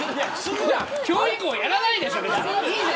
今日以降やらないでしょ。